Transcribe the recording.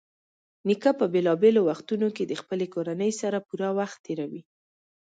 نیکه په بېلابېلو وختونو کې د خپلې کورنۍ سره پوره وخت تېروي.